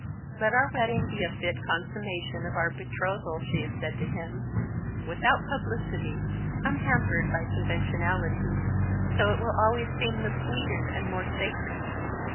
"Let our wedding be a fit consummation of our betrothal," she had said to him, "without publicity, unhampered by conventionalities, so it will always seem the sweeter and more sacred."